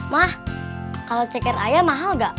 mah kalau ceker ayam mahal gak